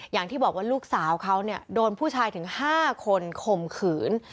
อย่างที่บอกว่าลูกสาวเขาเนี่ยโดนผู้ชายถึง๕คนข่มขืน